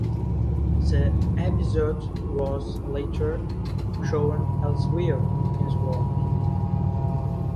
The episode was later shown elsewhere in the world.